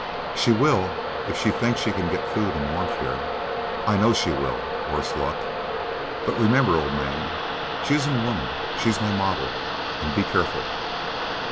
"She will if she thinks she can get food and warmth here. I know she will, worse luck. But remember, old man, she isn't a woman; she's my model; and be careful."